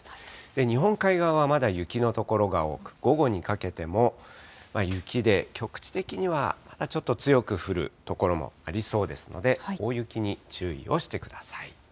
日本海側はまだ雪の所が多く、午後にかけても雪で、局地的にはまだちょっと強く降る所もありそうですので、大雪に注意をしてください。